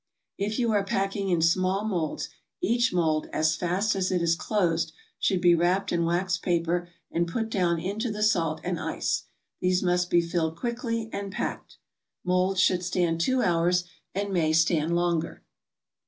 If you are packing in small molds, each mold, as fast as it is closed, should be wrapped in wax paper and put down into the salt and ice. These must be filled quickly and packed. Molds should stand two hours, and may stand longer.